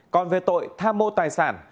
còn về tội tham mô tài sản